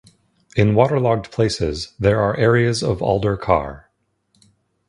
In waterlogged places there are areas of alder carr.